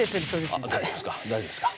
大丈夫ですか？